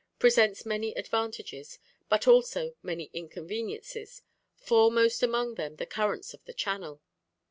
presents many advantages, but also many inconveniences foremost amongst them the currents of the channel.